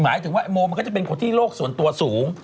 หมายถึงว่าโมมันก็จะเป็นคนที่โลกส่วนตัวสูง